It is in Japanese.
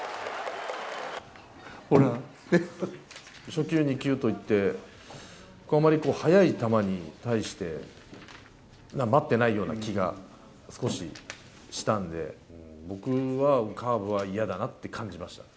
初球、２球といって、あまり速い球に対して、待ってないような気が少ししたんで、僕はカーブは嫌だなって感じました。